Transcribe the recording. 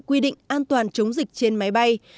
quy định an toàn chống dịch trên máy bay